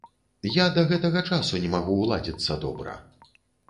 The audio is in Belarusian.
Я да гэтага часу не магу ўладзіцца добра.